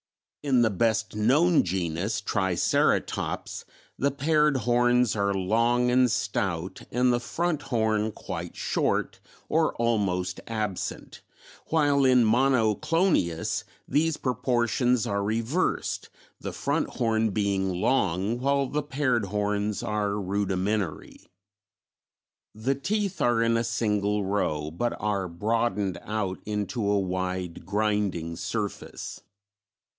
In the best known genus, Triceratops, the paired horns are long and stout and the front horn quite short or almost absent, while in Monoclonius these proportions are reversed, the front horn being long while the paired horns are rudimentary. The teeth are in a single row but are broadened out into a wide grinding surface.